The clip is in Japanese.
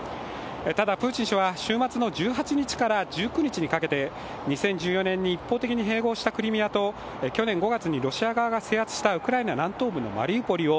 ただ、プーチン氏は週末の１８日から１９日にかけて２０１４年に一方的に併合したクリミアと去年５月にロシア側が制圧したウクライナ南東部のマリウポリを